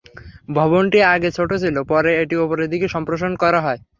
ভবনটি আগে ছোট ছিল, পরে এটি ওপরের দিকে সম্প্রসারণ করা হয়।